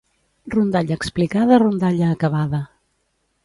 Rondalla explicada, rondalla acabada.